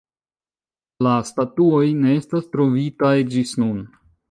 La statuoj ne estas trovitaj ĝis nun.